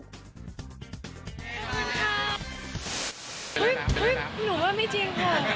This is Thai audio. หนูว่าไม่จริงค่ะ